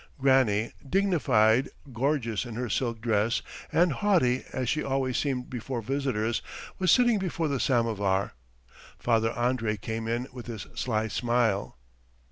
Granny, dignified, gorgeous in her silk dress, and haughty as she always seemed before visitors, was sitting before the samovar. Father Andrey came in with his sly smile.